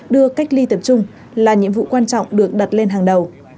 đưa cách ly tập trung là nhiệm vụ quan trọng được đặt lên hàng đầu